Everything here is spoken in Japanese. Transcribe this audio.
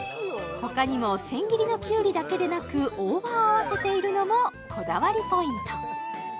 他にも千切りのキュウリだけでなく大葉を合わせているのもこだわりポイント